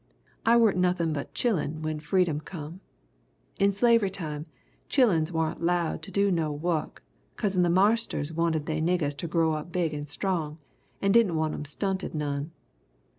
"I waren't nothin' but chillun when freedom come. In slavery time chilluns waren't 'lowed to do no wuk kazen the marsters wanted they niggers to grow up big and strong and didn' want 'em stunted none.